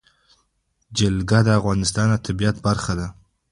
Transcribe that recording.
جلګه د افغانستان د طبیعت برخه ده.